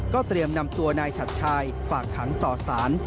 เตรียมนำตัวนายฉัดชายฝากขังต่อสาร